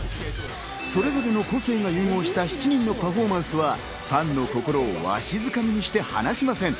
それぞれの個性が融合した、７人のパフォーマンスはファンの心をわしづかみにして離しません。